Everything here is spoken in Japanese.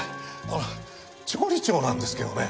あの調理長なんですけどね